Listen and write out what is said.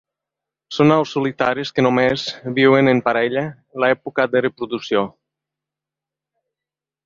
Són aus solitàries que només viuen en parella en l'època de reproducció.